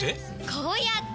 こうやって！